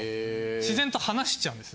自然と話しちゃうんです